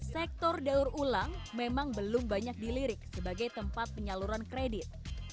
sektor daur ulang memang belum banyak dilirik sebagai tempat penyaluran kredit